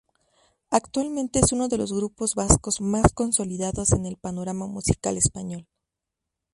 Actualmente es uno de los grupos vascos más consolidados en el panorama musical español.